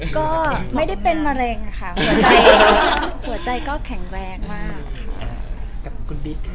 ก็ไม่ได้เป็นมะเร็งค่ะหัวใจก็แข็งแรงมาก